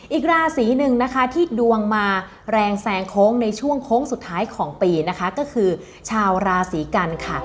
อีกราศีหนึ่งนะคะที่ดวงมาแรงแซงโค้งในช่วงโค้งสุดท้ายของปีนะคะก็คือชาวราศีกันค่ะ